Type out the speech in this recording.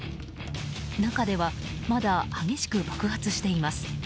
中ではまだ激しく爆発しています。